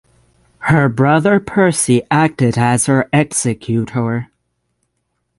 Her brother Percy acted as her executor.